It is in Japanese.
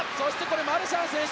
マルシャン選手